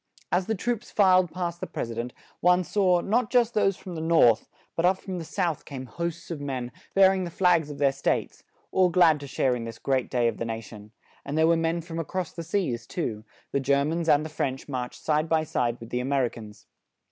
As the troops filed past the pres i dent, one saw, not just those from the North; but up from the South came hosts of men, bearing the flags of their states; all glad to share in this great day of the na tion; and there were men from across the seas too; the Ger mans and the French marched side by side with the A mer i cans.